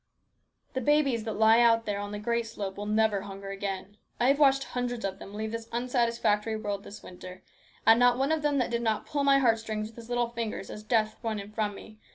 "The babies that lie out there on the great slope will never hunger again. I have watched hundreds of them leave this unsatisfactory world this winter, and not one of them that did not pull my heartstrings with his little fingers as death won him from me.